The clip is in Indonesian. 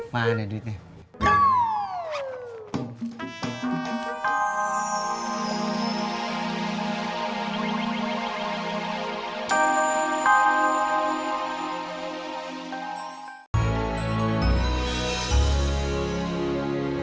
nah ada duitnya